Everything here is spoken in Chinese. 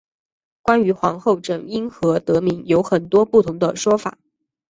关于皇后镇因何得名有很多不同的说法。